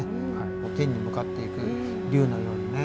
天に向かっていく龍のようにね。